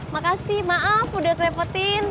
makasih maaf udah kerepotin